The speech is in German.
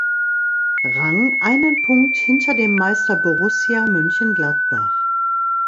Rang, einen Punkt hinter dem Meister Borussia Mönchengladbach.